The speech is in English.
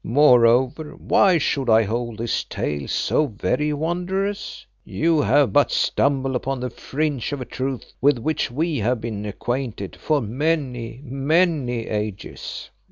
Moreover, why should I hold this tale so very wondrous? You have but stumbled upon the fringe of a truth with which we have been acquainted for many, many ages.